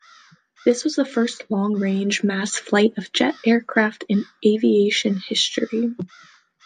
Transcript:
This was the first long-range mass flight of jet aircraft in aviation history.